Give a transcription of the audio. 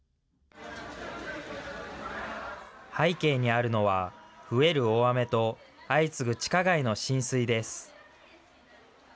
背景にあるのは、増える大雨と相次ぐ地下街の浸水です。